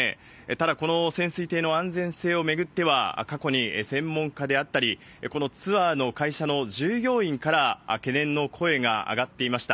ただ、この潜水艇の安全性を巡っては、過去に専門家であったり、このツアーの会社の従業員から、懸念の声が上がっていました。